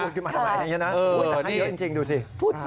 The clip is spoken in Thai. พูดขึ้นมาหลายอย่างเงี้ยนะแต่ให้เยอะจริงดูสิ